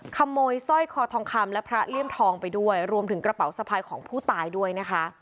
ขโมยสร้อยคอทองคำและพระเลี่ยมทองไปด้วยรวมถึงกระเป๋าสะพายของผู้ตายด้วยนะคะ